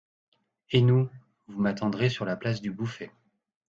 Et nous ? Vous m'attendrez sur la place du Bouffay.